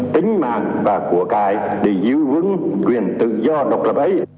tính mạng và của cái để giữ vững quyền tự do độc lập ấy